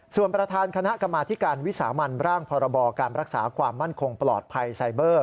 ส่วนประธานคณะกรรมาธิการวิสามันร่างพรบการรักษาความมั่นคงปลอดภัยไซเบอร์